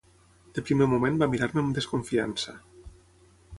De primer moment va mirar-me amb desconfiança.